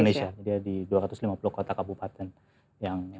indonesia jadi dua ratus lima puluh kota kabupaten yang